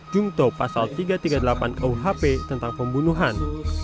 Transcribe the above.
jungto pasal tiga ratus tiga puluh delapan kuhp tentang pembunuhan